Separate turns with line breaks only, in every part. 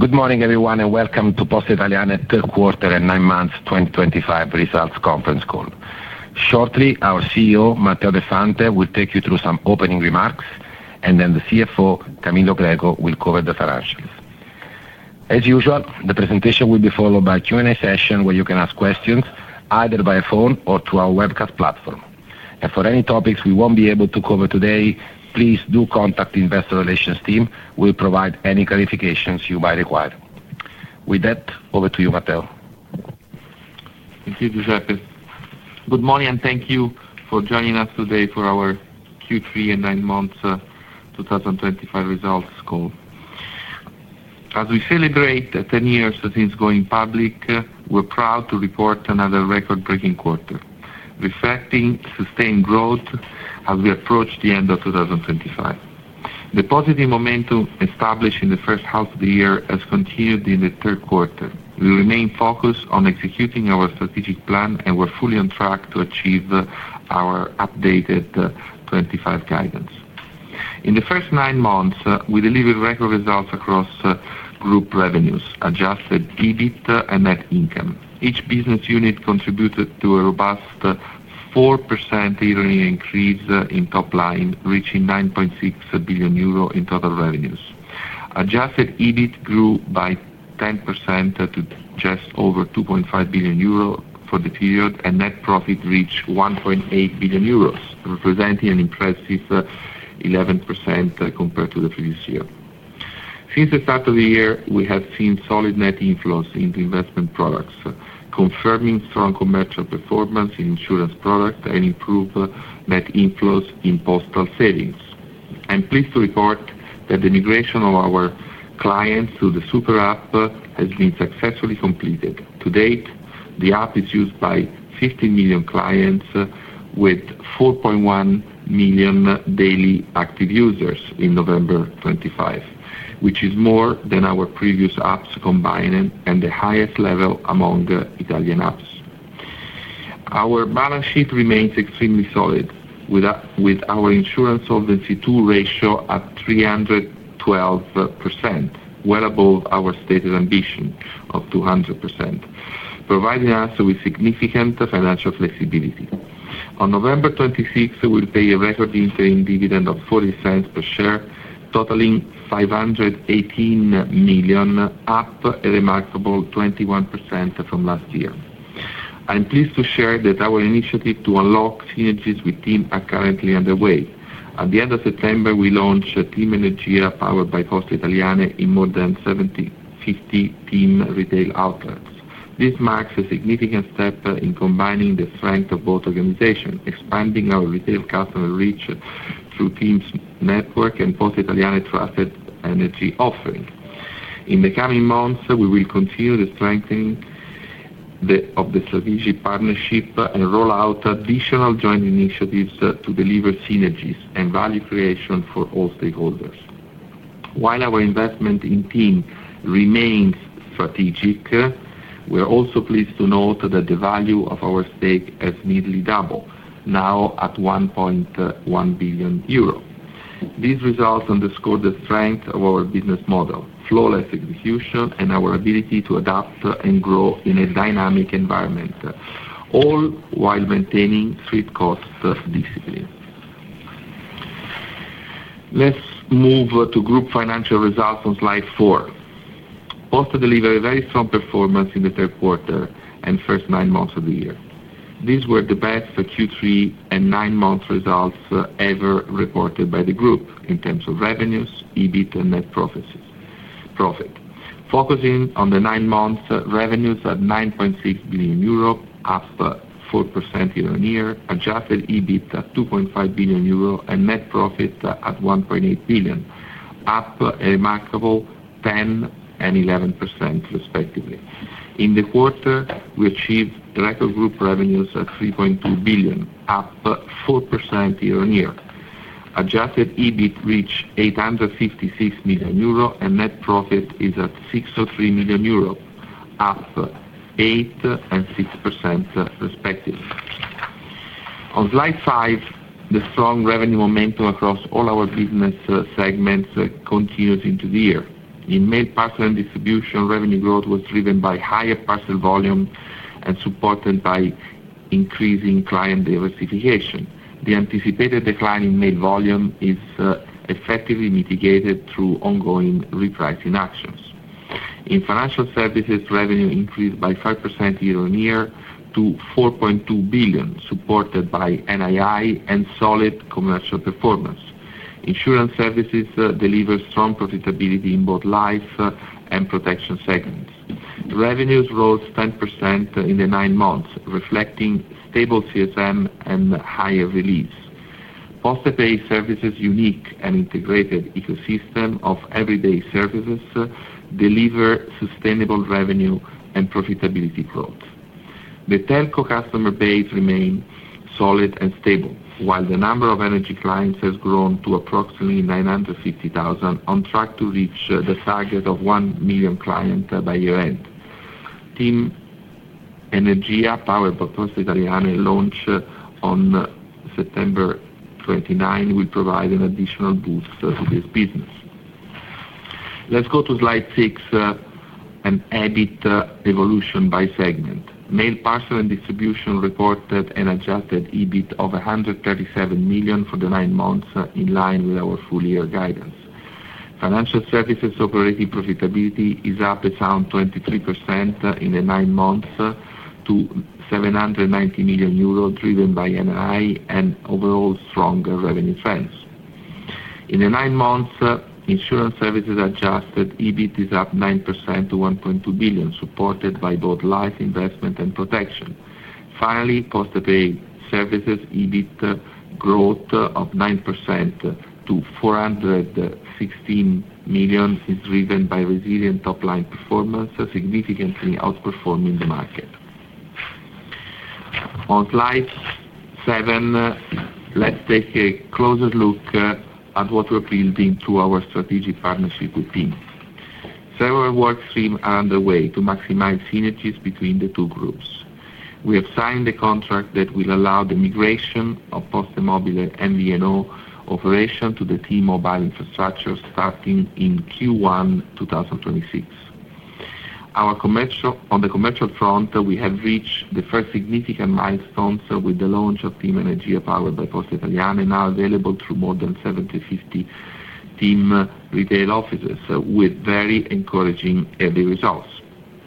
Good morning, everyone, and welcome to Poste Italiane third quarter and nine months 2025 results conference call. Shortly, our CEO, Matteo Del Fante, will take you through some opening remarks, and then the CFO, Camillo Greco, will cover the financials. As usual, the presentation will be followed by a Q&A session where you can ask questions either by phone or through our webcast platform. For any topics we will not be able to cover today, please do contact the investor relations team. We will provide any clarifications you might require. With that, over to you, Matteo.
Thank you, Giuseppe. Good morning, and thank you for joining us today for our Q3 and Nine Months 2025 Results Call. As we celebrate 10 years since going public, we're proud to report another record-breaking quarter, reflecting sustained growth as we approach the end of 2025. The positive momentum established in the first half of the year has continued in the third quarter. We remain focused on executing our strategic plan, and we're fully on track to achieve our updated 2025 guidance. In the first nine months, we delivered record results across group revenues, Adjusted EBITDA, and net income. Each business unit contributed to a robust 4% year-on-year increase in top line, reaching 9.6 billion euro in total revenues. Adjusted EBIT grew by 10% to just over 2.5 billion euro for the period, and net profit reached 1.8 billion euros, representing an impressive 11% compared to the previous year. Since the start of the year, we have seen solid net inflows into investment products, confirming strong commercial performance in insurance products and improved net inflows in postal savings. I'm pleased to report that the migration of our clients to the Super App has been successfully completed. To date, the app is used by 15 million clients, with 4.1 million daily active users in November 2025, which is more than our previous apps combined and the highest level among Italian apps. Our balance sheet remains extremely solid, with our insurance solvency ratio at 312%, well above our stated ambition of 200%, providing us with significant financial flexibility. On November 26, we'll pay a record-breaking dividend of 0.40 per share, totaling 518 million, up a remarkable 21% from last year. I'm pleased to share that our initiative to unlock synergies with team are currently underway. At the end of September, we launched Team Energia powered by Poste Italiane in more than 750 TIM retail outlets. This marks a significant step in combining the strength of both organizations, expanding our retail customer reach through TIM's network and Poste Italiane's trusted energy offering. In the coming months, we will continue the strengthening of the strategic partnership and roll out additional joint initiatives to deliver synergies and value creation for all stakeholders. While our investment in TIM remains strategic, we're also pleased to note that the value of our stake has nearly doubled, now at 1.1 billion euro. These results underscore the strength of our business model, flawless execution, and our ability to adapt and grow in a dynamic environment, all while maintaining strict cost discipline. Let's move to group financial results on slide four. Poste delivered very strong performance in the third quarter and first nine months of the year. These were the best Q3 and nine-month results ever reported by the group in terms of revenues, EBIT, and net profit. Focusing on the nine months, revenues at 9.6 billion euro, up 4% year-on-year, Adjusted EBIT at 2.5 billion euro, and net profit at 1.8 billion, up a remarkable 10% and 11%, respectively. In the quarter, we achieved record group revenues at 3.2 billion, up 4% year-on-year. Adjusted EBIT reached 856 million euro, and net profit is at 603 million euro, up 8% and 6%, respectively. On slide five, the strong revenue momentum across all our business segments continues into the year. In mail parcel and distribution, revenue growth was driven by higher parcel volume and supported by increasing client diversification. The anticipated decline in mail volume is effectively mitigated through ongoing repricing actions. In financial services, revenue increased by 5% year-on-year to 4.2 billion, supported by NII and solid commercial performance. Insurance services deliver strong profitability in both life and protection segments. Revenues rose 10% in the nine months, reflecting stable CSM and higher release. PostePay services' unique and integrated ecosystem of everyday services delivers sustainable revenue and profitability growth. The telco customer base remains solid and stable, while the number of energy clients has grown to approximately 950,000, on track to reach the target of 1 million clients by year-end. Team Energia powered by Poste Italiane launched on September 29 will provide an additional boost to this business. Let's go to slide six and EBIT Evolution by segment. Mail, parcel and distribution reported an Adjusted EBIT of 137 million for the nine months, in line with our full-year guidance. Financial services operating profitability is up around 23% in the nine months to 790 million euros, driven by NII and overall stronger revenue trends. In the nine months, insurance services Adjusted EBIT is up 9% to 1.2 billion, supported by both life investment and protection. Finally, PostePay services EBIT growth of 9% to 416 million is driven by resilient top-line performance, significantly outperforming the market. On slide seven, let's take a closer look at what we're building through our strategic partnership with TIM. Several work streams are underway to maximize synergies between the two groups. We have signed a contract that will allow the migration of Poste Mobile and MVNO operation to the TIM mobile infrastructure starting in Q1 2026. On the commercial front, we have reached the first significant milestones with the launch of Team Energia powered by Poste Italiane, now available through more than 750 team retail offices, with very encouraging early results.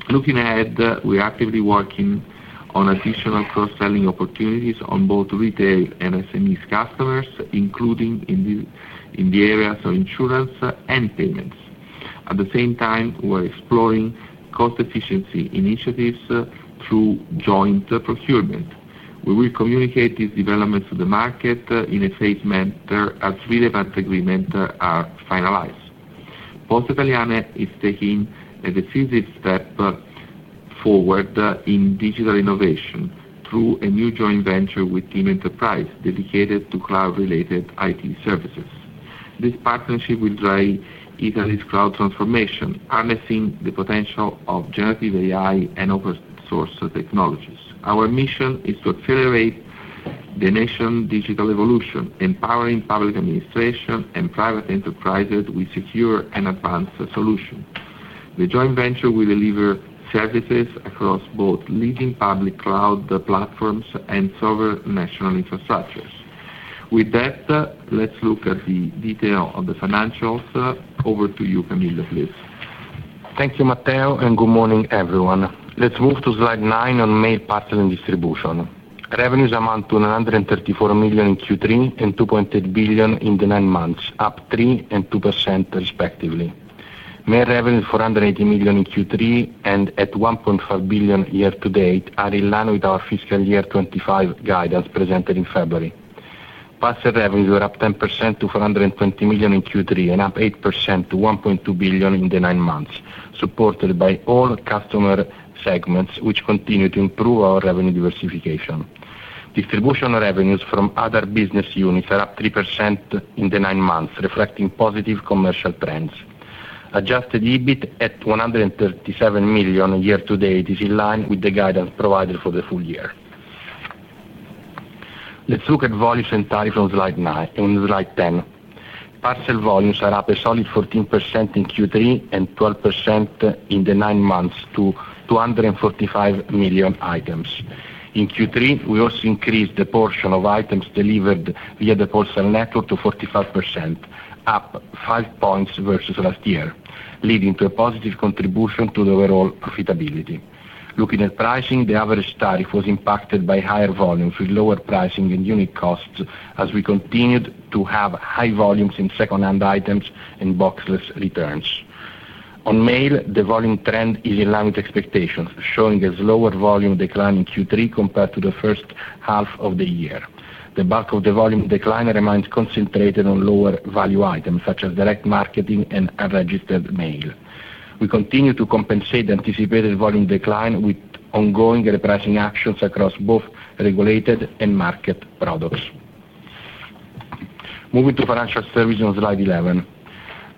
Looking ahead, we are actively working on additional cross-selling opportunities on both retail and SMEs customers, including in the areas of insurance and payments. At the same time, we are exploring cost-efficiency initiatives through joint procurement. We will communicate these developments to the market in a phased manner as relevant agreements are finalized. Poste Italiane is taking a decisive step forward in digital innovation through a new joint venture with Team Enterprise, dedicated to cloud-related IT services. This partnership will drive Italy's cloud transformation, harnessing the potential of generative AI and open-source technologies. Our mission is to accelerate the nation's digital evolution, empowering public administration and private enterprises with secure and advanced solutions. The joint venture will deliver services across both leading public cloud platforms and sovereign national infrastructures. With that, let's look at the detail of the financials. Over to you, Camillo, please.
Thank you, Matteo, and good morning, everyone. Let's move to slide nine on mail parcel and distribution. Revenues amount to 134 million in Q3 and 2.8 billion in the nine months, up 3% and 2%, respectively. Mail revenues 480 million in Q3 and at 1.5 billion year-to-date are in line with our fiscal year 2025 guidance presented in February. Parcel revenues were up 10% to 420 million in Q3 and up 8% to 1.2 billion in the nine months, supported by all customer segments, which continue to improve our revenue diversification. Distribution revenues from other business units are up 3% in the nine months, reflecting positive commercial trends. Adjusted EBIT at 137 million year-to-date is in line with the guidance provided for the full year. Let's look at volumes and tariffs on slide nine. On slide ten, parcel volumes are up a solid 14% in Q3 and 12% in the nine months to 245 million items. In Q3, we also increased the portion of items delivered via the postal network to 45%, up 5 percentage points versus last year, leading to a positive contribution to the overall profitability. Looking at pricing, the average tariff was impacted by higher volumes with lower pricing and unit costs, as we continued to have high volumes in second-hand items and boxless returns. On mail, the volume trend is in line with expectations, showing a slower volume decline in Q3 compared to the first half of the year. The bulk of the volume decline remains concentrated on lower-value items, such as direct marketing and unregistered mail. We continue to compensate the anticipated volume decline with ongoing repricing actions across both regulated and market products. Moving to financial services on slide eleven.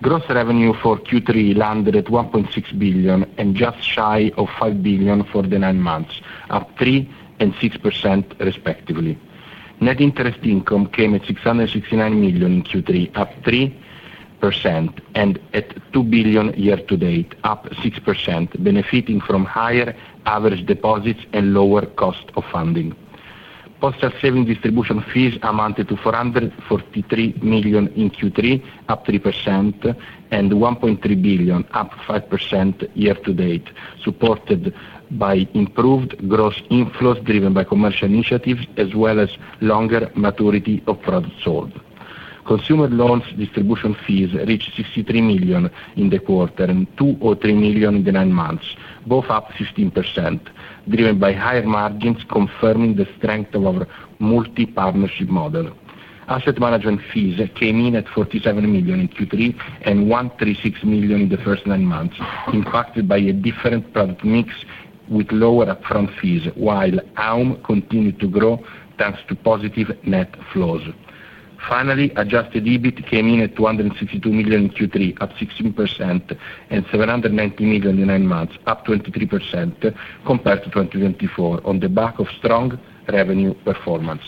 Gross revenue for Q3 landed at 1.6 billion and just shy of 5 billion for the nine months, up 3% and 6%, respectively. Net interest income came at 669 million in Q3, up 3%, and at 2 billion year-to-date, up 6%, benefiting from higher average deposits and lower cost of funding. Postal savings distribution fees amounted to 443 million in Q3, up 3%, and 1.3 billion, up 5% year-to-date, supported by improved gross inflows driven by commercial initiatives, as well as longer maturity of products sold. Consumer loans distribution fees reached 63 million in the quarter and 203 million in the nine months, both up 15%, driven by higher margins, confirming the strength of our multi-partnership model. Asset management fees came in at 47 million in Q3 and 136 million in the first nine months, impacted by a different product mix with lower upfront fees, while AUM continued to grow thanks to positive net flows. Finally, Adjusted EBIT came in at 262 million in Q3, up 16%, and 790 million in the nine months, up 23% compared to 2024, on the back of strong revenue performance.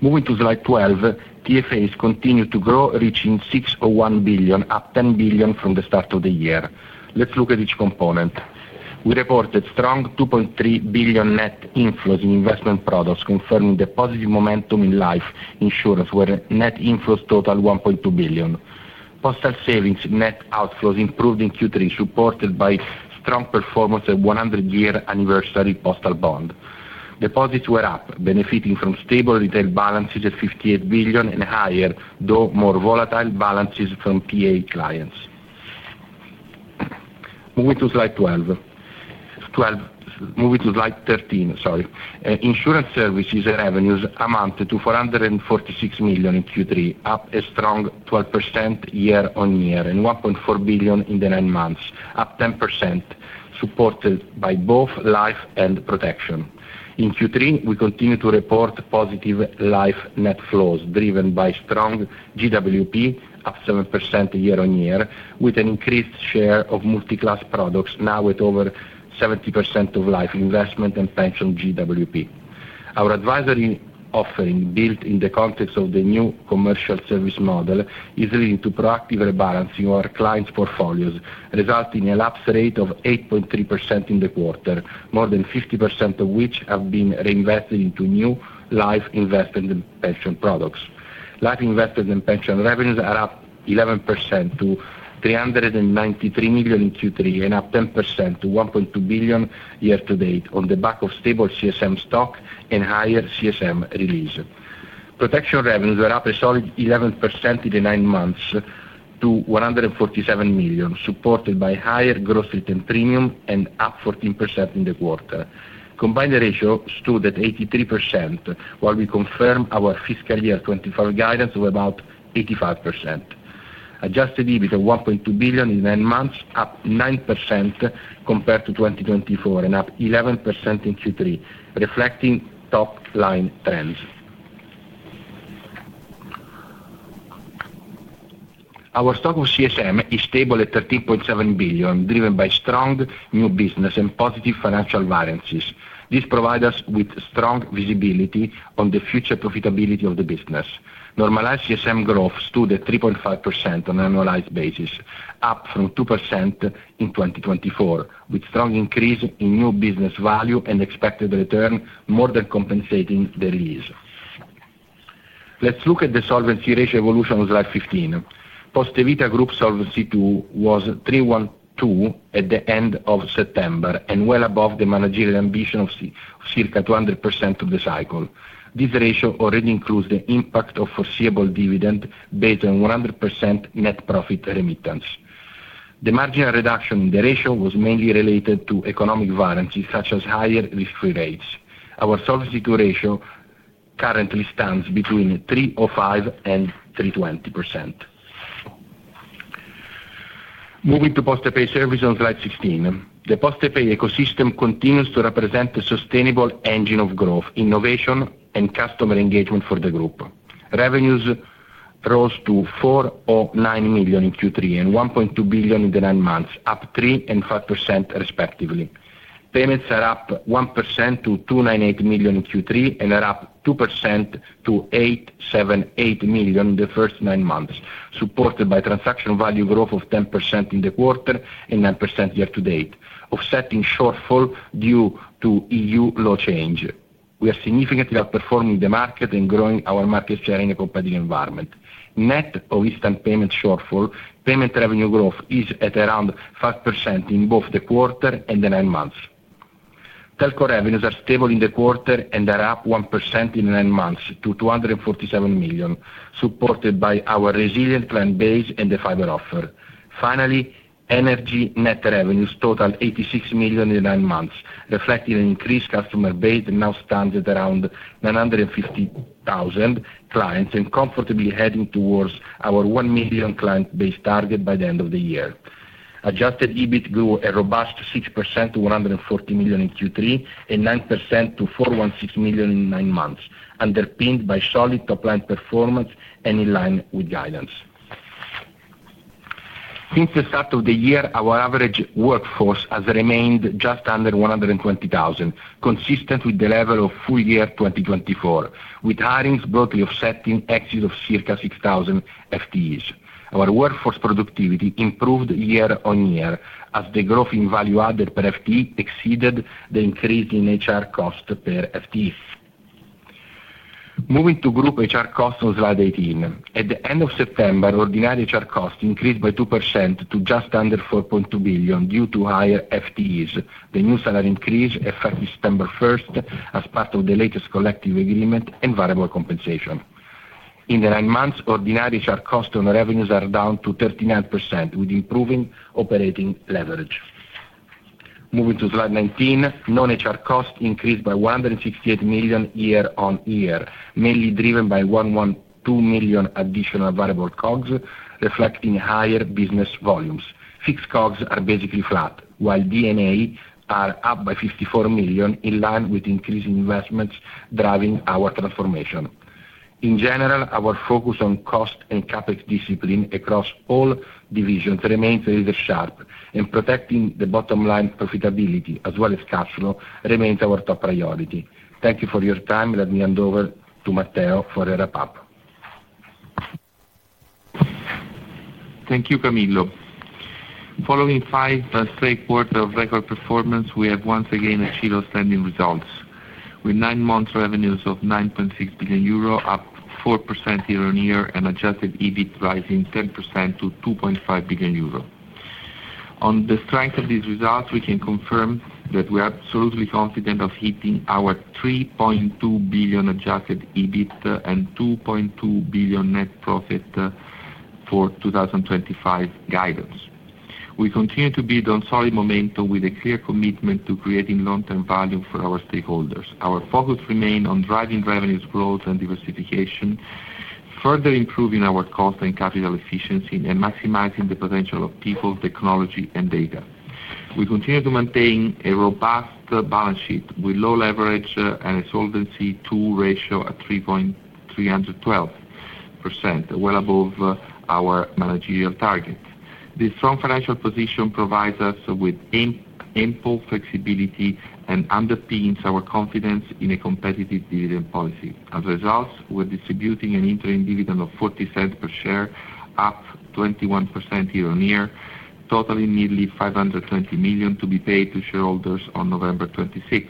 Moving to slide twelve, TFAs continued to grow, reaching 601 billion, up 10 billion from the start of the year. Let's look at each component. We reported strong 2.3 billion net inflows in investment products, confirming the positive momentum in life insurance, where net inflows totaled 1.2 billion. Postal savings net outflows improved in Q3, supported by strong performance at 100-year anniversary postal bond. Deposits were up, benefiting from stable retail balances at 58 billion and higher, though more volatile balances from PA clients. Moving to slide twelve. Twelve. Moving to slide thirteen, sorry. Insurance services and revenues amounted to 446 million in Q3, up a strong 12% year-on-year, and 1.4 billion in the nine months, up 10%, supported by both life and protection. In Q3, we continued to report positive life net flows, driven by strong GWP, up 7% year-on-year, with an increased share of multi-class products, now at over 70% of life investment and pension GWP. Our advisory offering, built in the context of the new commercial service model, is leading to proactive rebalancing of our clients' portfolios, resulting in a lapse rate of 8.3% in the quarter, more than 50% of which have been reinvested into new life investment and pension products. Life investment and pension revenues are up 11% to 393 million in Q3 and up 10% to 1.2 billion year-to-date, on the back of stable CSM stock and higher CSM release. Protection revenues were up a solid 11% in the nine months to 147 million, supported by higher gross written premium and up 14% in the quarter. Combined ratio stood at 83%, while we confirmed our fiscal year 2025 guidance of about 85%. Adjusted EBIT of 1.2 billion in nine months, up 9% compared to 2024, and up 11% in Q3, reflecting top-line trends. Our stock of CSM is stable at 13.7 billion, driven by strong new business and positive financial variances. This provides us with strong visibility on the future profitability of the business. Normalized CSM growth stood at 3.5% on an annualized basis, up from 2% in 2024, with strong increase in new business value and expected return, more than compensating the release. Let's look at the solvency ratio evolution on slide fifteen. Poste Vita Group's solvency too was 312% at the end of September, and well above the managerial ambition of circa 200% of the cycle. This ratio already includes the impact of foreseeable dividend based on 100% net profit remittance. The marginal reduction in the ratio was mainly related to economic variances, such as higher risk-free rates. Our solvency ratio currently stands between 305%-320%. Moving to PostePay services on slide sixteen. The PostePay ecosystem continues to represent a sustainable engine of growth, innovation, and customer engagement for the group. Revenues rose to 409 million in Q3 and 1.2 billion in the nine months, up 3% and 5%, respectively. Payments are up 1% to 298 million in Q3 and are up 2% to 878 million in the first nine months, supported by transaction value growth of 10% in the quarter and 9% year-to-date, offsetting shortfall due to EU law change. We are significantly outperforming the market and growing our market share in a competitive environment. Net of instant payment shortfall, payment revenue growth is at around 5% in both the quarter and the nine months. Telco revenues are stable in the quarter and are up 1% in the nine months to 247 million, supported by our resilient client base and the fiber offer. Finally, energy net revenues totaled 86 million in the nine months, reflecting an increased customer base that now stands at around 950,000 clients and comfortably heading towards our 1 million client base target by the end of the year. Adjusted EBIT grew a robust 6% to 140 million in Q3 and 9% to 416 million in nine months, underpinned by solid top-line performance and in line with guidance. Since the start of the year, our average workforce has remained just under 120,000, consistent with the level of full year 2024, with hirings broadly offsetting excess of circa 6,000 FTEs. Our workforce productivity improved year-on-year, as the growth in value added per FTE exceeded the increase in HR cost per FTE. Moving to group HR costs on slide eighteen. At the end of September, ordinary HR cost increased by 2% to just under 4.2 billion due to higher FTEs. The new salary increase effective September 1, as part of the latest collective agreement and variable compensation. In the nine months, ordinary HR cost on revenues are down to 39%, with improving operating leverage. Moving to slide nineteen, non-HR cost increased by 168 million year-on-year, mainly driven by 112 million additional variable COGS, reflecting higher business volumes. Fixed COGS are basically flat, while DNA are up by 54 million, in line with increasing investments driving our transformation. In general, our focus on cost and CapEx discipline across all divisions remains razor-sharp, and protecting the bottom line profitability, as well as cash flow, remains our top priority. Thank you for your time. Let me hand over to Matteo for a wrap-up.
Thank you, Camillo. Following five straight quarters of record performance, we have once again achieved outstanding results, with nine months' revenues of 9.6 billion euro, up 4% year-on-year, and Adjusted EBIT rising 10% to 2.5 billion euro. On the strength of these results, we can confirm that we are absolutely confident of hitting our 3.2 billion Adjusted EBIT and 2.2 billion net profit for 2025 guidance. We continue to build on solid momentum with a clear commitment to creating long-term value for our stakeholders. Our focus remains on driving revenues growth and diversification, further improving our cost and capital efficiency, and maximizing the potential of people, technology, and data. We continue to maintain a robust balance sheet with low leverage and a solvency ratio at 312%, well above our managerial target. This strong financial position provides us with ample flexibility and underpins our confidence in a competitive dividend policy. As a result, we are distributing an interim dividend of 0.40 per share, up 21% year-on-year, totaling nearly 520 million to be paid to shareholders on November 26.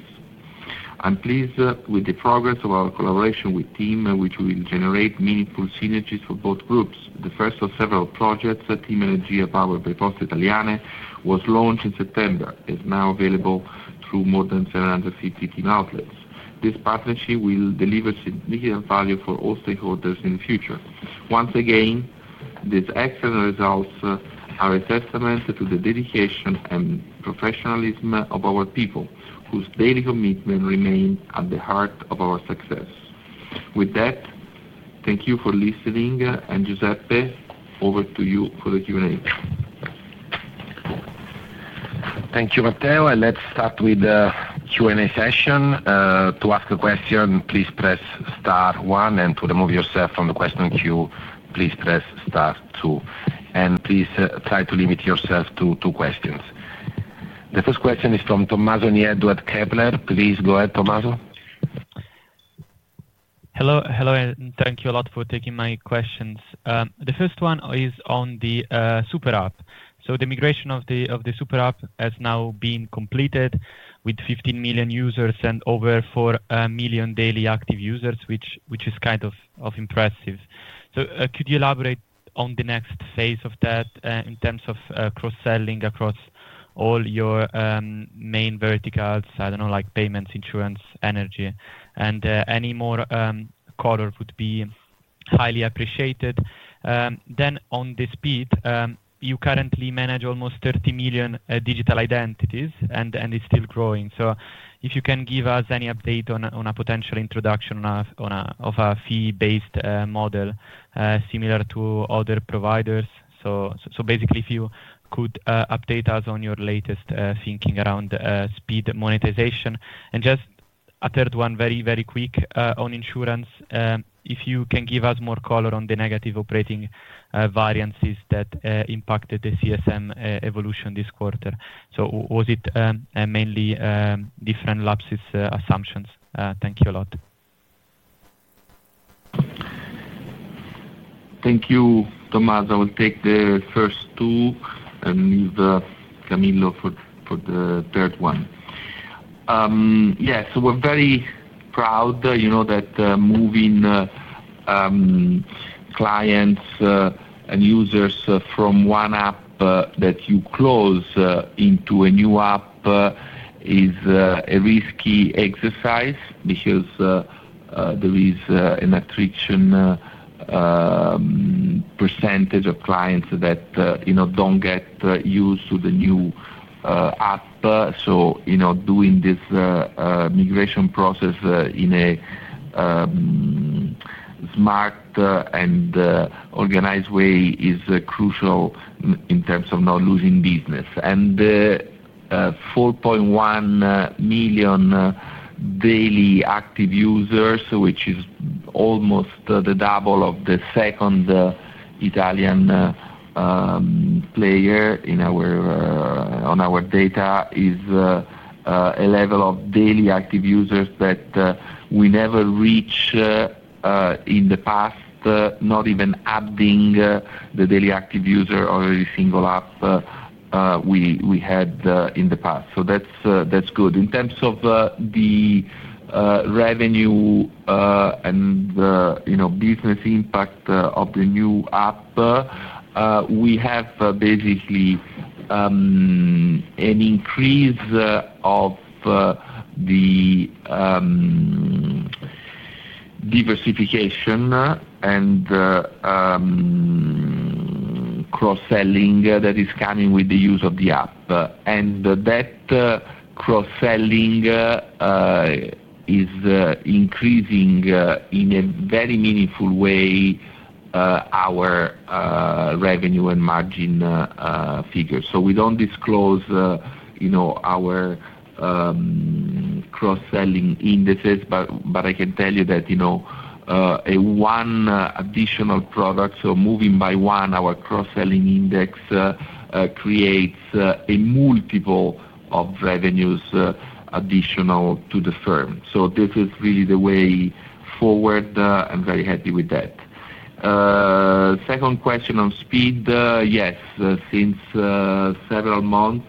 I'm pleased with the progress of our collaboration with TIM, which will generate meaningful synergies for both groups. The first of several projects, Team Energia powered by Poste Italiane, was launched in September, is now available through more than 750 TIM outlets. This partnership will deliver significant value for all stakeholders in the future. Once again, these excellent results are a testament to the dedication and professionalism of our people, whose daily commitment remains at the heart of our success. With that, thank you for listening, and Giuseppe, over to you for the Q&A.
Thank you, Matteo. Let's start with the Q&A session. To ask a question, please press star one, and to remove yourself from the question queue, please press star two. Please try to limit yourself to two questions. The first question is from Tommaso Nieddu at Kepler. Please go ahead, Tommaso.
Hello, hello, and thank you a lot for taking my questions. The first one is on the Super App. The migration of the Super App has now been completed, with 15 million users and over 4 million daily active users, which is kind of impressive. Could you elaborate on the next phase of that in terms of cross-selling across all your main verticals, I don't know, like payments, insurance, energy? Any more color would be highly appreciated. On the SPID, you currently manage almost 30 million digital identities, and it's still growing. If you can give us any update on a potential introduction of a fee-based model similar to other providers. Basically, if you could update us on your latest thinking around SPID monetization. Just a third one, very, very quick on insurance. If you can give us more color on the negative operating variances that impacted the CSM evolution this quarter. Was it mainly different lapses assumptions? Thank you a lot.
Thank you, Tommaso. I will take the first two and leave Camillo for the third one. Yeah, so we're very proud that moving clients and users from one app that you close into a new app is a risky exercise because there is an attrition percentage of clients that don't get used to the new app. Doing this migration process in a smart and organized way is crucial in terms of not losing business. 4.1 million daily active users, which is almost the double of the second Italian player on our data, is a level of daily active users that we never reached in the past, not even adding the daily active user or a single app we had in the past. That's good. In terms of the revenue and business impact of the new app, we have basically an increase of the diversification and cross-selling that is coming with the use of the app. That cross-selling is increasing in a very meaningful way our revenue and margin figure. We do not disclose our cross-selling indices, but I can tell you that one additional product, so moving by one, our cross-selling index creates a multiple of revenues additional to the firm. This is really the way forward, and I am very happy with that. Second question on SPID, yes. Since several months,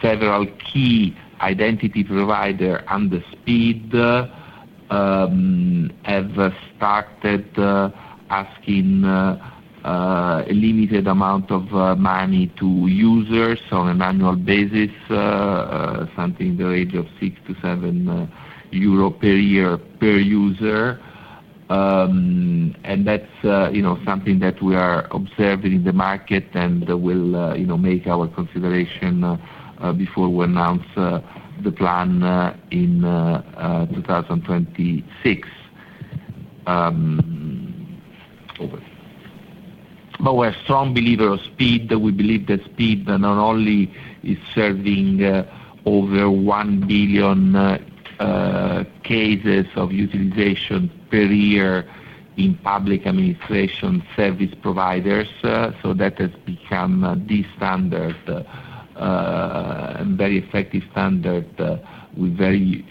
several key identity providers under SPID have started asking a limited amount of money to users on an annual basis, something in the range of 6-7 euro per user. That is something that we are observing in the market and will make our consideration before we announce the plan in 2026. We are strong believers in SPID. We believe that SPID not only is serving over 1 billion cases of utilization per year in public administration service providers, so that has become the standard and a very effective standard with very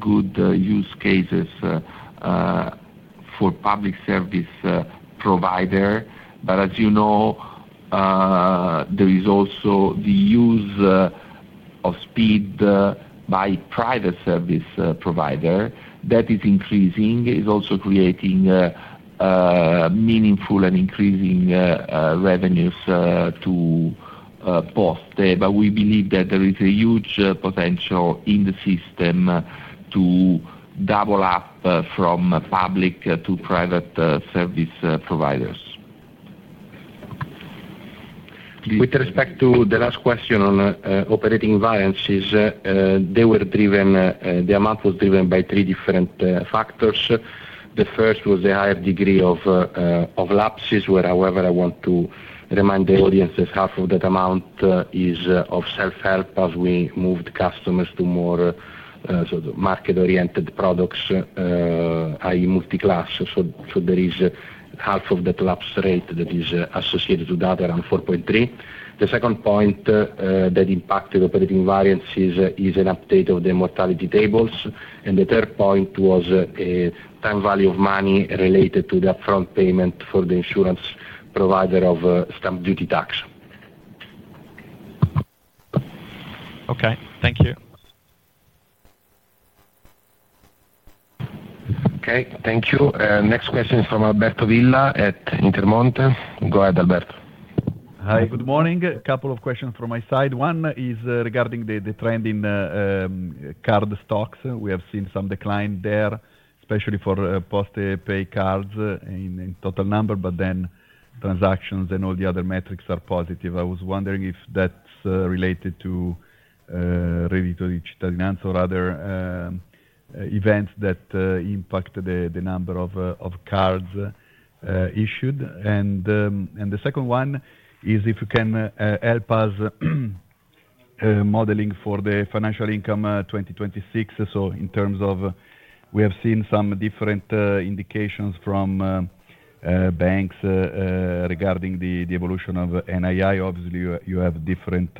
good use cases for public service providers. As you know, there is also the use of SPID by private service providers that is increasing, and it is also creating meaningful and increasing revenues to Poste. We believe that there is a huge potential in the system to double up from public to private service providers.
With respect to the last question on operating variances, they were driven, the amount was driven by three different factors. The first was a higher degree of lapses, where, however, I want to remind the audience that half of that amount is of self-help as we moved customers to more market-oriented products, i.e., multi-class. So there is half of that lapse rate that is associated with that, around 4.3. The second point that impacted operating variances is an update of the mortality tables. The third point was a time value of money related to the upfront payment for the insurance provider of stamp duty tax.
Okay, thank you.
Okay, thank you. Next question is from Alberto Villa at Intermonte. Go ahead, Alberto.
Hi, good morning. A couple of questions from my side. One is regarding the trend in card stocks. We have seen some decline there, especially for PostePay cards in total number, but then transactions and all the other metrics are positive. I was wondering if that's related to Reddito di Cittadinanza or other events that impact the number of cards issued. The second one is if you can help us modeling for the financial income 2026. In terms of, we have seen some different indications from banks regarding the evolution of NII. Obviously, you have different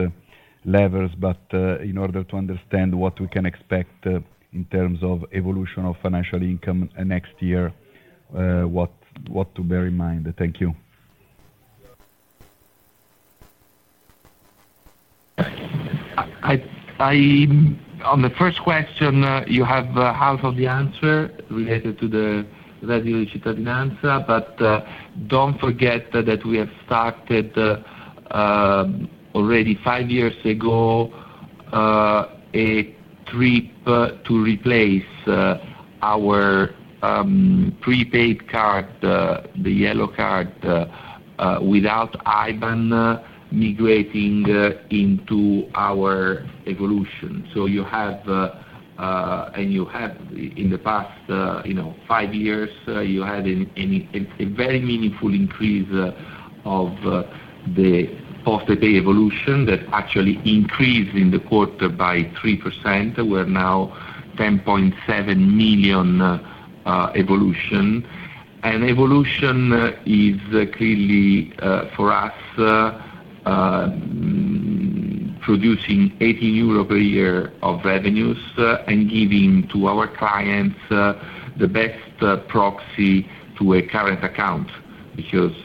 levers, but in order to understand what we can expect in terms of evolution of financial income next year, what to bear in mind? Thank you.
On the first question, you have half of the answer related to the Reddito di Cittadinanza, but do not forget that we have started already five years ago a trip to replace our prepaid card, the yellow card, without IBAN migrating into our Evolution. You have, and you have in the past five years, had a very meaningful increase of the PostePay Evolution that actually increased in the quarter by 3%. We are now 10.7 million Evolution. Evolution is clearly, for us, producing 18 euro per year of revenues and giving to our clients the best proxy to a current account because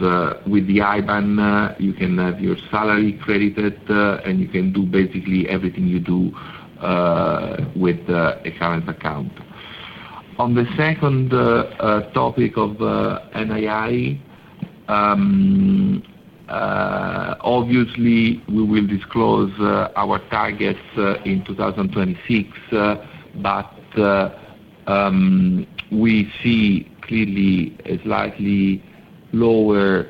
with the IBAN, you can have your salary credited, and you can do basically everything you do with a current account. On the second topic of NII, obviously, we will disclose our targets in 2026, but we see clearly a slightly lower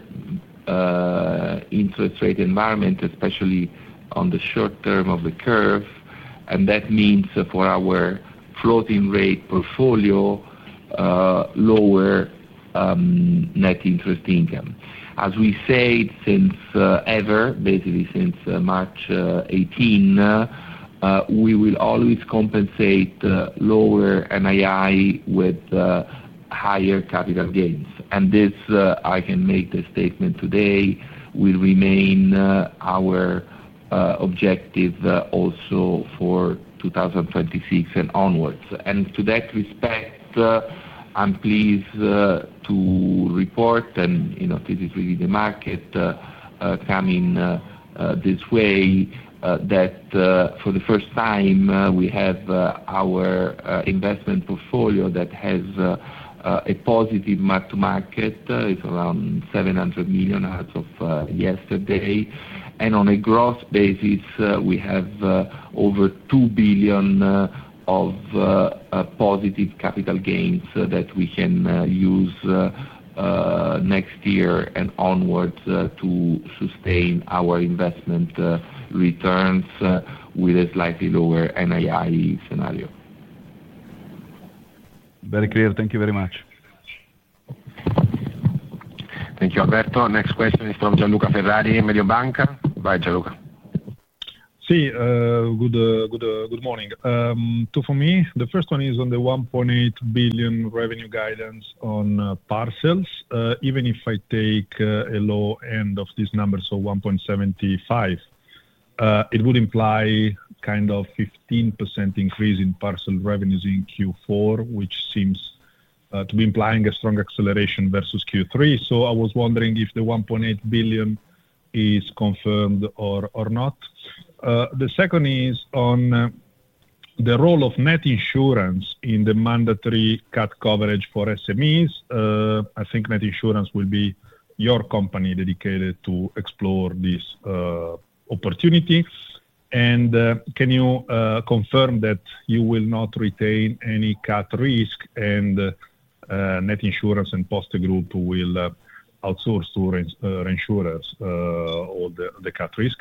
interest rate environment, especially on the short term of the curve. That means for our floating rate portfolio, lower net interest income. As we say since ever, basically since March 18, we will always compensate lower NII with higher capital gains. This, I can make the statement today, will remain our objective also for 2026 and onwards. To that respect, I'm pleased to report, and this is really the market coming this way, that for the first time, we have our investment portfolio that has a positive mark to market. It's around 700 million as of yesterday. On a gross basis, we have over 2 billion of positive capital gains that we can use next year and onwards to sustain our investment returns with a slightly lower NII scenario.
Very clear. Thank you very much.
Thank you, Alberto. Next question is from Gian Luca Ferrari, Mediobanca. Go ahead, Gian Luca.
Sì, good morning. For me, the first one is on the 1.8 billion revenue guidance on parcels. Even if I take a low end of this number, so 1.75 billion, it would imply kind of 15% increase in parcel revenues in Q4, which seems to be implying a strong acceleration versus Q3. I was wondering if the 1.8 billion is confirmed or not. The second is on the role of Net Insurance in the mandatory CAT coverage for SMEs. I think Net Insurance will be your company dedicated to explore this opportunity. Can you confirm that you will not retain any CAT risk, and Net Insurance and Poste Group will outsource to reinsurers all the CAT risk?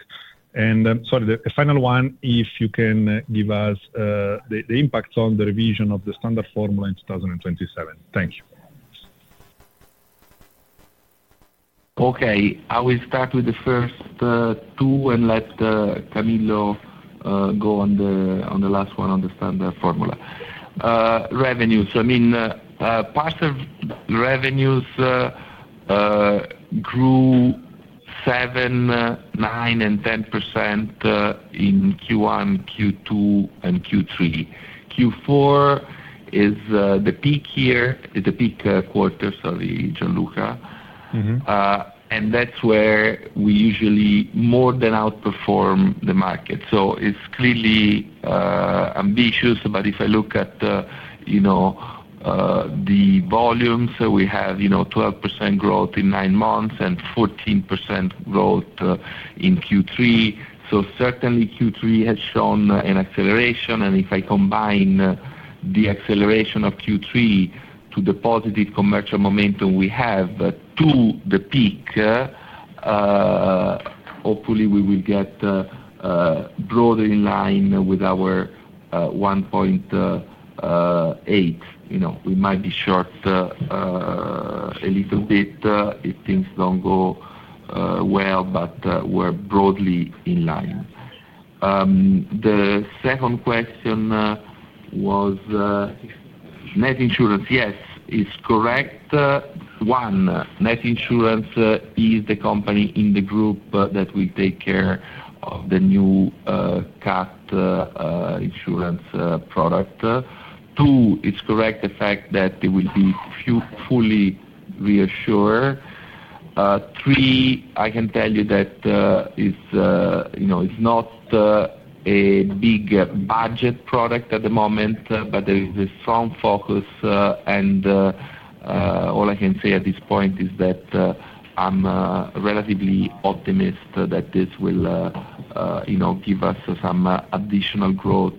Sorry, the final one, if you can give us the impact on the revision of the standard formula in 2027. Thank you.
Okay, I will start with the first two and let Camillo go on the last one on the standard formula. Revenues. I mean, parcel revenues grew 7%, 9%, and 10% in Q1, Q2, and Q3. Q4 is the peak year, the peak quarter, sorry, Gian Luca. That is where we usually more than outperform the market. It is clearly ambitious, but if I look at the volumes, we have 12% growth in nine months and 14% growth in Q3. Certainly, Q3 has shown an acceleration. If I combine the acceleration of Q3 to the positive commercial momentum we have to the peak, hopefully, we will get broadly in line with our 1.8. We might be short a little bit if things do not go well, but we are broadly in line. The second question was net insurance. Yes, it is correct. One, Net Insurance is the company in the group that will take care of the new CAT insurance product. Two, it's correct the fact that there will be fully reassured. Three, I can tell you that it's not a big budget product at the moment, but there is a strong focus. All I can say at this point is that I'm relatively optimistic that this will give us some additional growth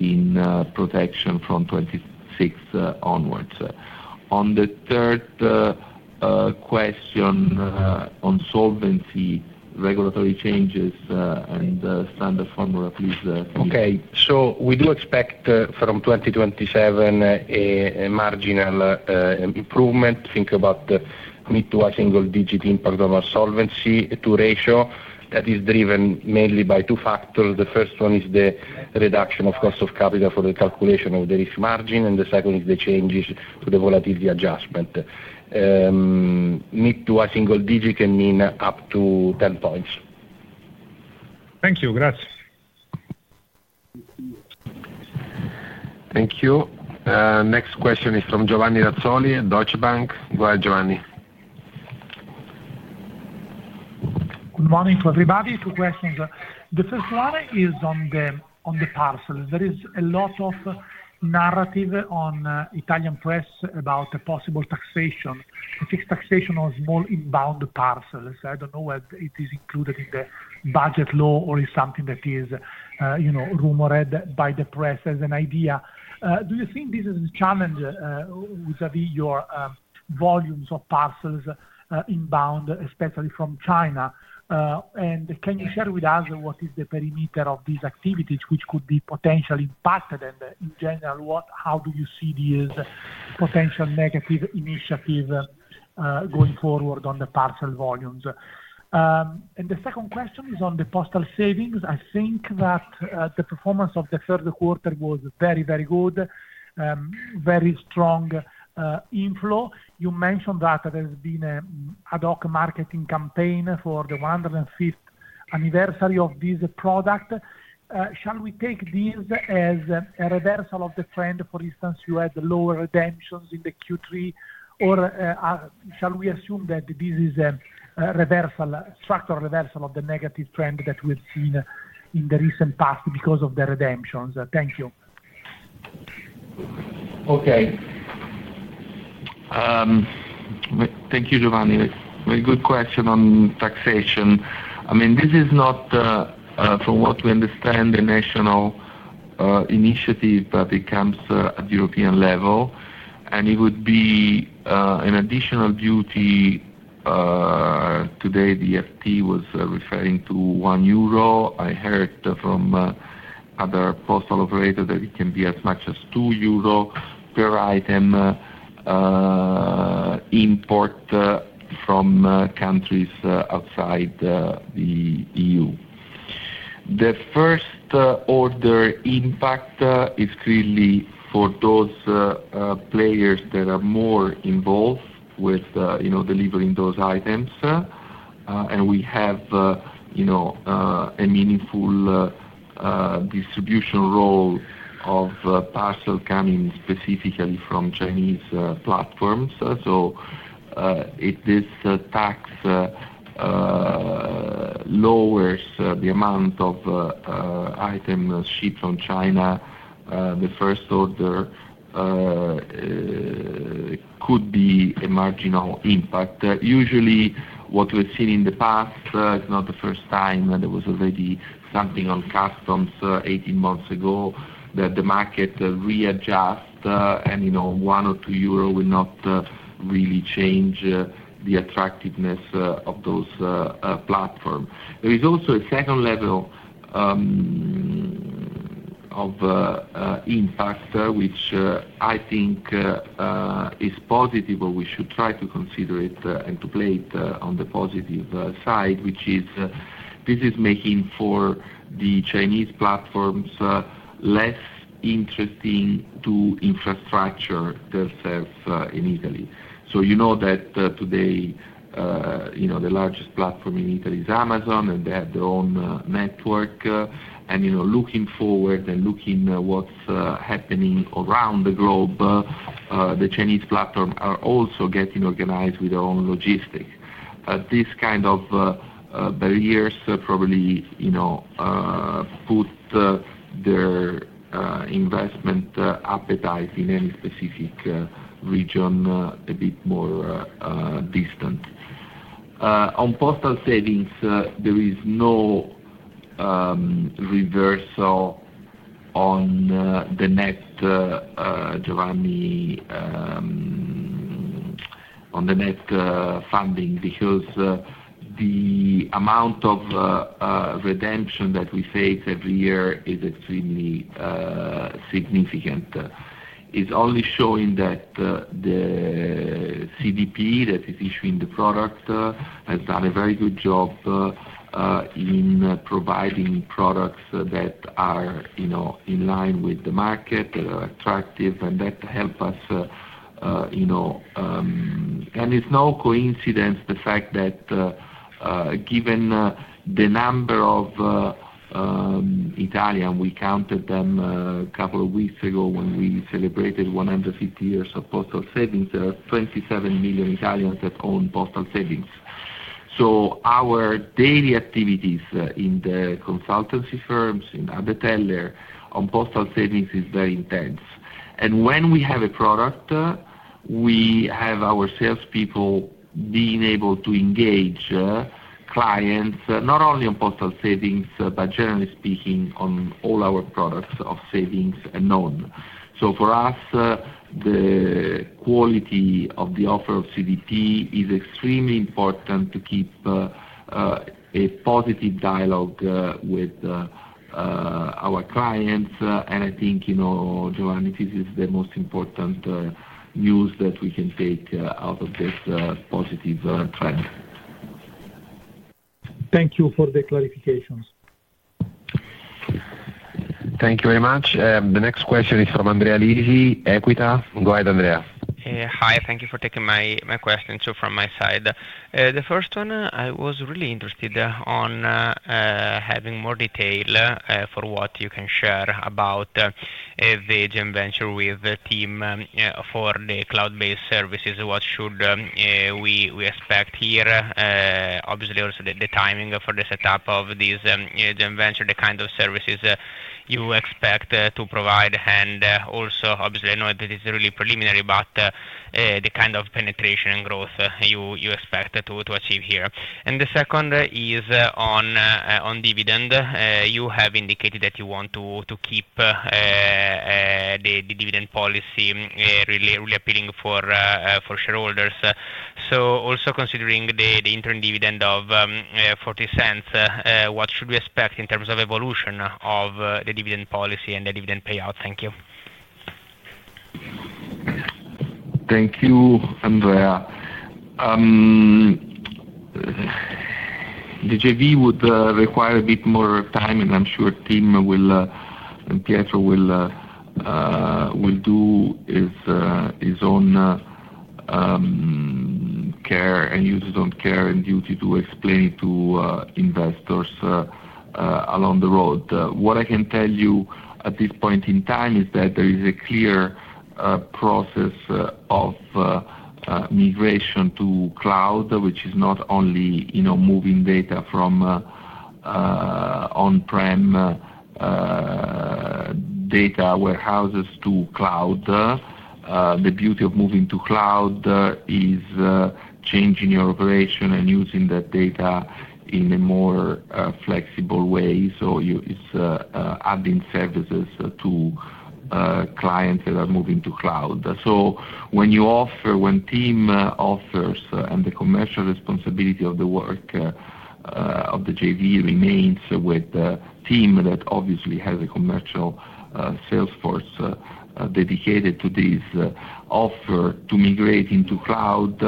in protection from 2026 onwards. On the third question on solvency, regulatory changes and standard formula, please.
Okay, we do expect from 2027 a marginal improvement. Think about mid- to high single-digit impact on our solvency ratio that is driven mainly by two factors. The first one is the reduction of cost of capital for the calculation of the risk margin, and the second is the changes to the volatility adjustment. Mid to high single-digit can mean up to 10 percentage points.
Thank you. Gracias.
Thank you. Next question is from Giovanni Razzoli, Deutsche Bank. Go ahead, Giovanni.
Good morning. For the two questions. The first one is on the parcels. There is a lot of narrative on Italian press about a possible taxation, a fixed taxation on small inbound parcels. I do not know whether it is included in the budget law or it is something that is rumored by the press as an idea. Do you think this is a challenge vis-à-vis your volumes of parcels inbound, especially from China? Can you share with us what is the perimeter of these activities which could be potentially impacted? In general, how do you see these potential negative initiatives going forward on the parcel volumes? The second question is on the postal savings. I think that the performance of the third quarter was very, very good, very strong inflow. You mentioned that there has been an ad hoc marketing campaign for the 105th anniversary of this product. Shall we take this as a reversal of the trend? For instance, you had lower redemptions in the Q3. Or shall we assume that this is a reversal, structural reversal of the negative trend that we've seen in the recent past because of the redemptions? Thank you.
Okay. Thank you, Giovanni. Very good question on taxation. I mean, this is not, from what we understand, a national initiative that becomes at the European level. It would be an additional duty. Today, the FT was referring to 1 euro. I heard from other postal operators that it can be as much as 2 euro per item import from countries outside the EU. The first order impact is clearly for those players that are more involved with delivering those items. We have a meaningful distribution role of parcels coming specifically from Chinese platforms. If this tax lowers the amount of items shipped from China, the first order could be a marginal impact. Usually, what we've seen in the past, it's not the first time that there was already something on customs 18 months ago, that the market readjusts and 1 or 2 euro will not really change the attractiveness of those platforms. There is also a second level of impact, which I think is positive, or we should try to consider it and to play it on the positive side, which is this is making for the Chinese platforms less interesting to infrastructure themselves in Italy. You know that today, the largest platform in Italy is Amazon, and they have their own network. Looking forward and looking at what's happening around the globe, the Chinese platforms are also getting organized with their own logistics. This kind of barriers probably put their investment appetite in any specific region a bit more distant. On postal savings, there is no reversal on the net, Giovanni, on the net funding because the amount of redemption that we face every year is extremely significant. It is only showing that the CDP that is issuing the product has done a very good job in providing products that are in line with the market, that are attractive, and that help us. It is no coincidence the fact that given the number of Italians, we counted them a couple of weeks ago when we celebrated 150 years of postal savings. There are 27 million Italians that own postal savings. Our daily activities in the consultancy firms, in Adde Teller, on postal savings is very intense. When we have a product, we have our salespeople being able to engage clients not only on postal savings, but generally speaking, on all our products of savings and known. For us, the quality of the offer of CDP is extremely important to keep a positive dialogue with our clients. I think, Giovanni, this is the most important news that we can take out of this positive trend.
Thank you for the clarifications.
Thank you very much. The next question is from Andrea Lisi, Equita. Go ahead, Andrea.
Hi. Thank you for taking my question. From my side, the first one, I was really interested in having more detail for what you can share about the joint venture with the team for the cloud-based services. What should we expect here? Obviously, also the timing for the setup of this joint venture, the kind of services you expect to provide. Also, obviously, I know that it is really preliminary, but the kind of penetration and growth you expect to achieve here. The second is on dividend. You have indicated that you want to keep the dividend policy really appealing for shareholders. Also considering the interim dividend of 0.40, what should we expect in terms of evolution of the dividend policy and the dividend payout? Thank you.
Thank you, Andrea. The JV would require a bit more time, and I'm sure TIM and Pietro will do his own care and use his own care and duty to explain to investors along the road. What I can tell you at this point in time is that there is a clear process of migration to cloud, which is not only moving data from on-prem data warehouses to cloud. The beauty of moving to cloud is changing your operation and using that data in a more flexible way. It is adding services to clients that are moving to cloud. When TIM offers and the commercial responsibility of the work of the JV remains with TIM, that obviously has a commercial salesforce dedicated to this, offer to migrate into cloud,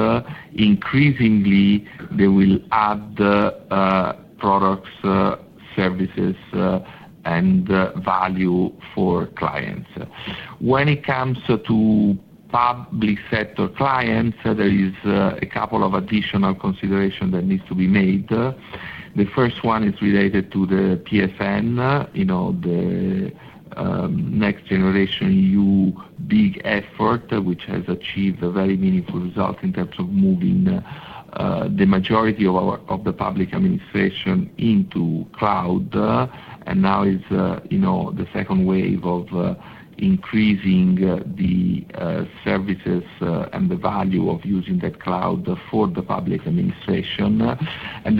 increasingly they will add products, services, and value for clients. When it comes to public sector clients, there are a couple of additional considerations that need to be made. The first one is related to the PSN, the next-generation EU big effort, which has achieved a very meaningful result in terms of moving the majority of the public administration into cloud. Now is the second wave of increasing the services and the value of using that cloud for the public administration. The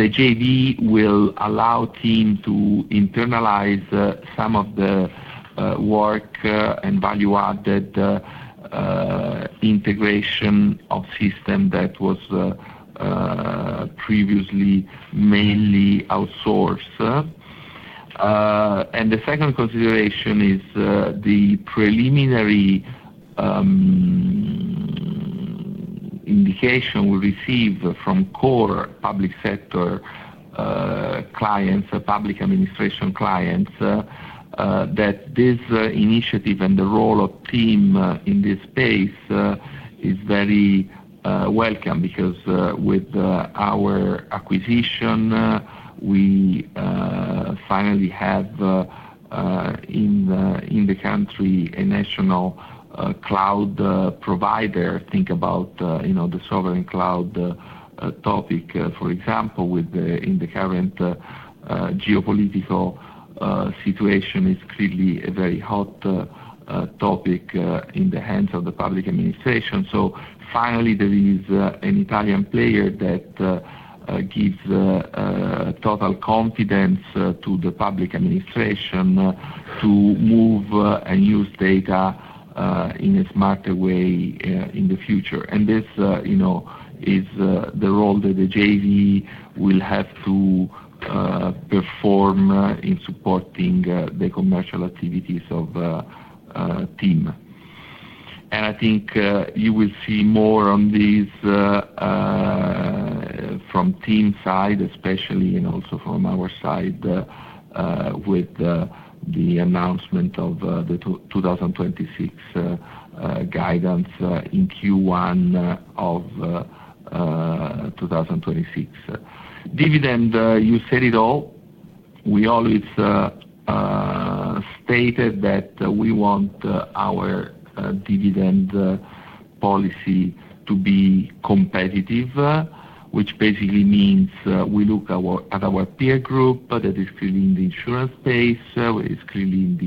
JV will allow TIM to internalize some of the work and value-added integration of system that was previously mainly outsourced. The second consideration is the preliminary indication we receive from core public sector clients, public administration clients, that this initiative and the role of TIM in this space is very welcome because with our acquisition, we finally have in the country a national cloud provider. Think about the sovereign cloud topic, for example, with the current geopolitical situation. It is clearly a very hot topic in the hands of the public administration. Finally, there is an Italian player that gives total confidence to the public administration to move and use data in a smarter way in the future. This is the role that the JV will have to perform in supporting the commercial activities of TIM. I think you will see more on this from TIM's side, especially, and also from our side with the announcement of the 2026 guidance in Q1 of 2026. Dividend, you said it all. We always stated that we want our dividend policy to be competitive, which basically means we look at our peer group that is clearly in the insurance space, which is clearly in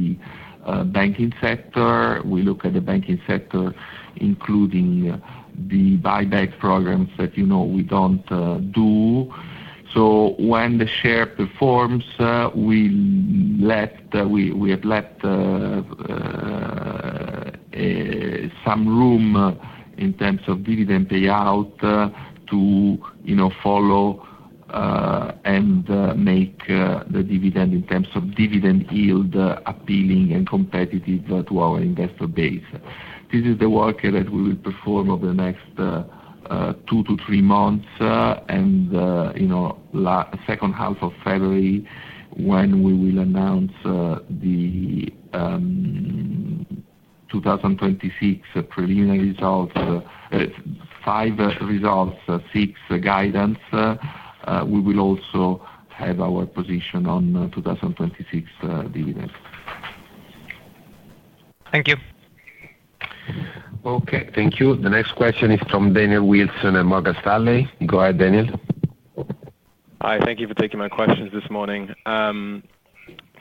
the banking sector. We look at the banking sector, including the buyback programs that we do not do. When the share performs, we have left some room in terms of dividend payout to follow and make the dividend in terms of dividend yield appealing and competitive to our investor base. This is the work that we will perform over the next two to three months and the second half of February when we will announce the 2026 preliminary results, five results, six guidance. We will also have our position on 2026 dividends.
Thank you.
Okay. Thank you. The next question is from Daniel Wilson and Morgan Stanley. Go ahead, Daniel.
Hi. Thank you for taking my questions this morning.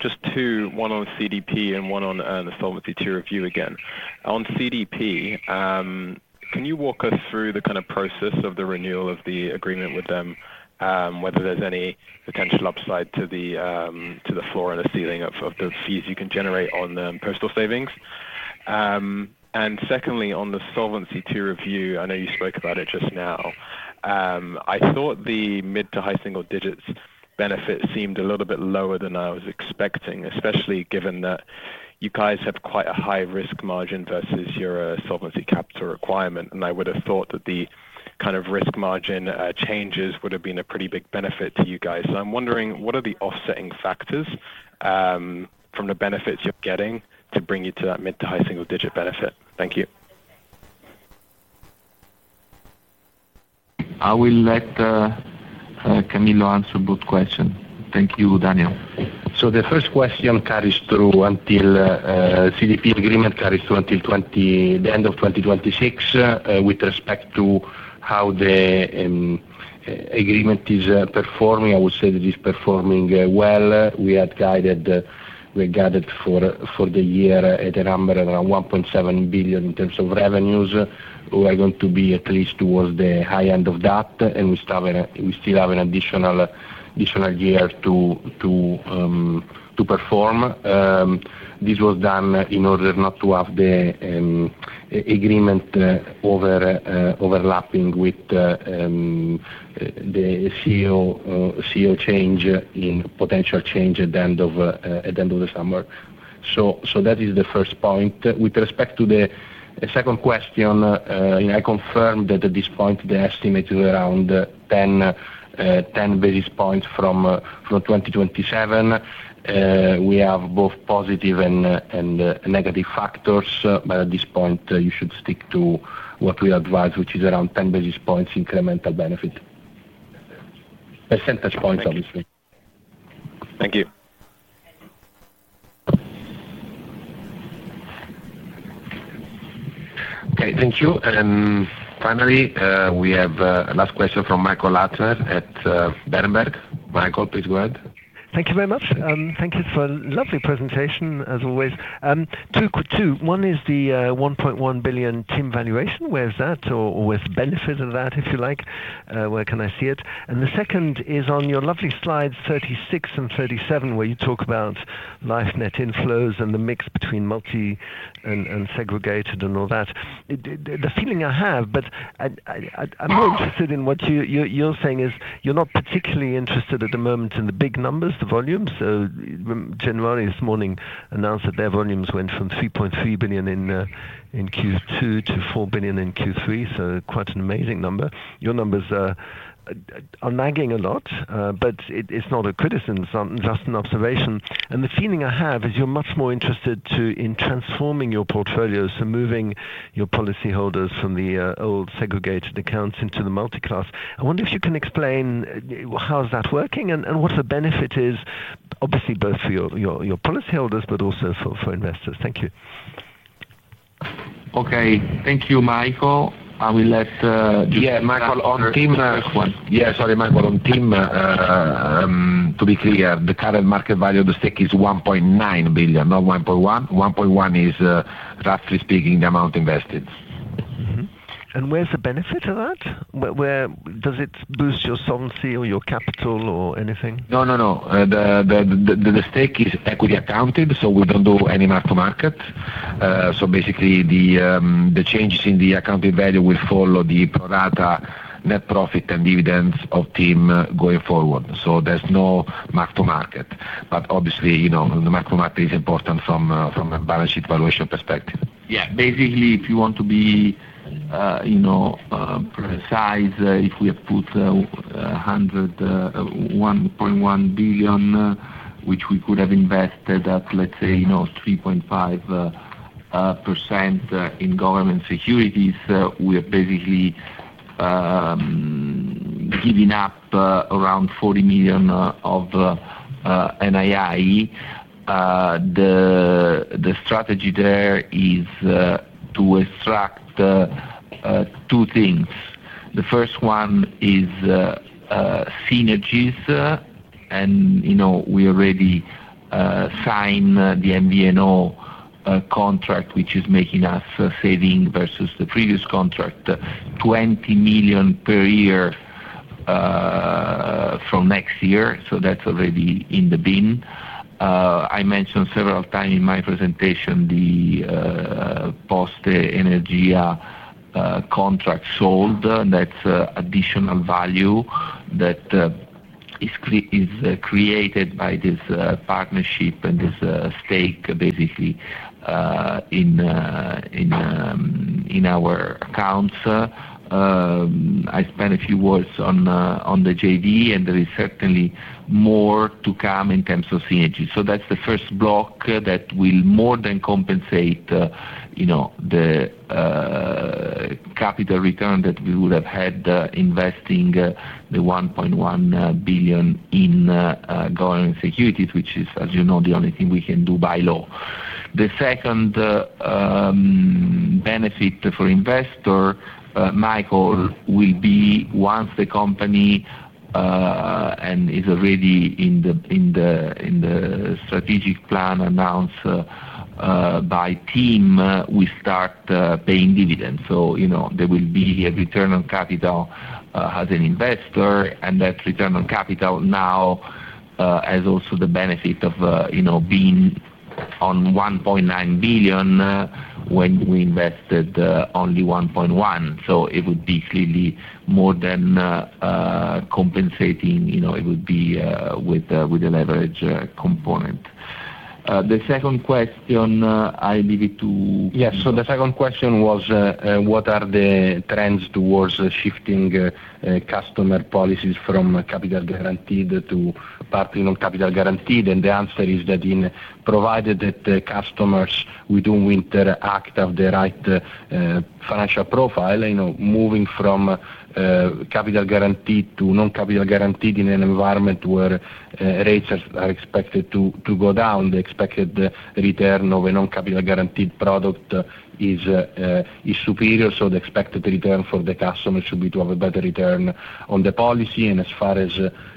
Just two, one on CDP and one on the solvency tier review again. On CDP, can you walk us through the kind of process of the renewal of the agreement with them, whether there's any potential upside to the floor and the ceiling of the fees you can generate on the postal savings? Secondly, on the solvency tier review, I know you spoke about it just now. I thought the mid to high single digits benefit seemed a little bit lower than I was expecting, especially given that you guys have quite a high risk margin versus your solvency capture requirement. I would have thought that the kind of risk margin changes would have been a pretty big benefit to you guys. I'm wondering, what are the offsetting factors from the benefits you're getting to bring you to that mid to high single digit benefit? Thank you.
I will let Camillo answer both questions. Thank you, Daniel.
The first question carries through until the CDP agreement carries through until the end of 2026. With respect to how the agreement is performing, I would say that it is performing well. We had guided for the year at a number around 1.7 billion in terms of revenues. We are going to be at least towards the high end of that, and we still have an additional year to perform. This was done in order not to have the agreement overlapping with the CEO change in potential change at the end of the summer. That is the first point. With respect to the second question, I confirm that at this point, the estimate is around 10 basis points from 2027. We have both positive and negative factors, but at this point, you should stick to what we advise, which is around 10 basis points incremental benefit. Percentage points, obviously.
Thank you.
Okay. Thank you. Finally, we have a last question from Michael Huttner at Berenberg. Michael, please go ahead.
Thank you very much. Thank you for a lovely presentation, as always. Two quick two. One is the 1.1 billion TIM valuation. Where's that? Or where's the benefit of that, if you like? Where can I see it? The second is on your lovely slides 36 and 37, where you talk about life net inflows and the mix between multi and segregated and all that. The feeling I have, but I'm more interested in what you're saying, is you're not particularly interested at the moment in the big numbers, the volumes. Generali this morning announced that their volumes went from 3.3 billion in Q2 to 4 billion in Q3. Quite an amazing number. Your numbers are nagging a lot, but it's not a criticism, just an observation. The feeling I have is you're much more interested in transforming your portfolios, so moving your policyholders from the old segregated accounts into the multi-class. I wonder if you can explain how is that working and what the benefit is, obviously, both for your policyholders, but also for investors. Thank you.
Okay. Thank you, Michael. I will let just.
Yeah, Michael, on TIM. Yeah, sorry, Michael, on TIM, to be clear, the current market value of the stake is 1.9 billion, not 1.1 billion. 1.1 billion is, roughly speaking, the amount invested.
Where's the benefit of that? Does it boost your solvency or your capital or anything?
No, no, no. The stake is equity accounted, so we do not do any mark-to-market. Basically, the changes in the accounting value will follow the prorata net profit and dividends of TIM going forward. There is no mark-to-market. Obviously, the mark-to-market is important from a balance sheet valuation perspective. Basically, if you want to be precise, if we have put 1.1 billion, which we could have invested at, let's say, 3.5% in government securities, we are basically giving up around 40 million of NII. The strategy there is to extract two things. The first one is synergies, and we already signed the MVNO contract, which is making us save versus the previous contract, 20 million per year from next year. That is already in the bin. I mentioned several times in my presentation the Poste Energia contract sold. That's additional value that is created by this partnership and this stake, basically, in our accounts. I spent a few words on the JV, and there is certainly more to come in terms of synergies. That's the first block that will more than compensate the capital return that we would have had investing the 1.1 billion in government securities, which is, as you know, the only thing we can do by law. The second benefit for investor, Michael, will be once the company, and it is already in the strategic plan announced by TIM, we start paying dividends. There will be a return on capital as an investor, and that return on capital now has also the benefit of being on 1.9 billion when we invested only 1.1 billion. It would be clearly more than compensating. It would be with a leverage component. The second question, I leave it to. Yeah. The second question was, what are the trends towards shifting customer policies from capital guaranteed to partly non-capital guaranteed? The answer is that provided that customers within winter act have the right financial profile, moving from capital guaranteed to non-capital guaranteed in an environment where rates are expected to go down, the expected return of a non-capital guaranteed product is superior. The expected return for the customer should be to have a better return on the policy. As far as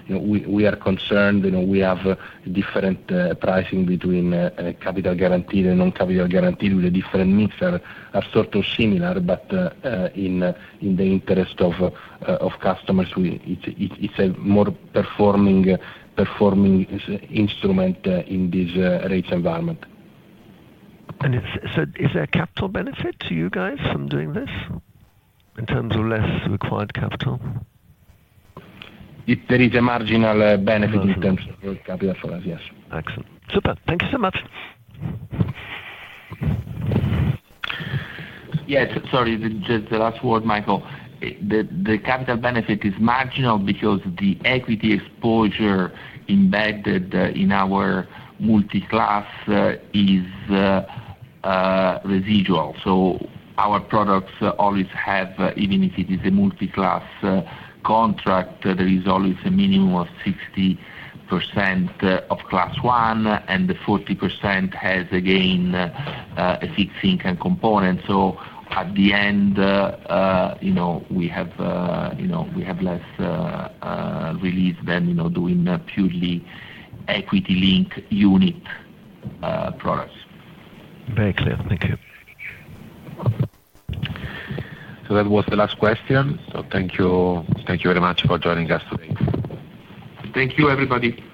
we are concerned, we have different pricing between capital guaranteed and non-capital guaranteed with a different mix that are sort of similar, but in the interest of customers, it is a more performing instrument in this rates environment.
Is there a capital benefit to you guys from doing this
In terms of less required capital.
There is a marginal benefit in terms of capital for us, yes.
Excellent. Super. Thank you so much.
Yeah. Sorry, just the last word, Michael. The capital benefit is marginal because the equity exposure embedded in our multi-class is residual. So our products always have, even if it is a multi-class contract, there is always a minimum of 60% of class one, and the 40% has again a fixed income component. At the end, we have less release than doing purely equity-linked unit products.
Very clear. Thank you.
That was the last question. Thank you very much for joining us today.
Thank you, everybody.